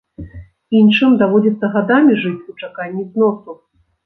Іншым даводзіцца гадамі жыць у чаканні зносу.